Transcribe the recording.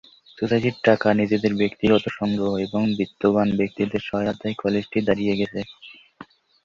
সোসাইটির টাকা, নিজেদের ব্যক্তিগত সংগ্রহ এবং বিত্তবান ব্যক্তিদের সহায়তায় কলেজটি দাঁড়িয়ে গেছে।